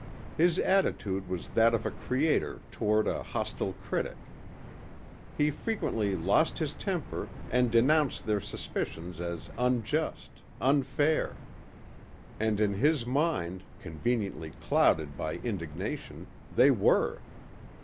His attitude was that of a creator toward a hostile critic. He frequently lost his temper and denounced their suspicions as unjust, unfair. And in his mind, conveniently clouded by indignation, they were.